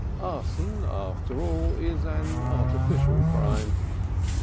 Arson, after all, is an artificial crime.